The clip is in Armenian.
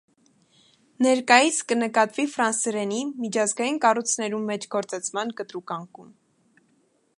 Ներկայիս, կը նկատուի ֆրանսերէնի՝ միջազգային կառոյցներուն մէջ գործածման կտրուկ անկում։